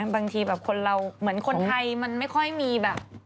บางทีแบบคนเราเหมือนคนไทยมันไม่ค่อยมีแบบ